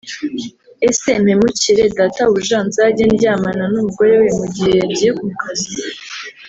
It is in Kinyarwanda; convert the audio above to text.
Ese mpemukire Databuja nzajye ndyamana n’umugore we mu gihe yagiye mu kazi